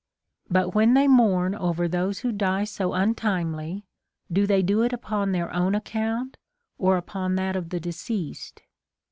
19. But when they mourn over those Λνΐιο die so untimely, do they do it upon their own account, or upon that of the deceased